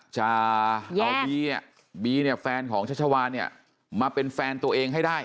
จะเอาบีแฟนของชัชชาวานมาเป็นแฟนตัวเองให้ได้